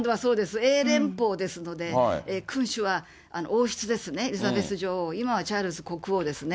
Ａ連邦ですし、君主はエリザベス女王、今はチャールズ国王ですね。